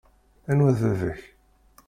Anwa-t baba-k?